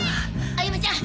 歩美ちゃん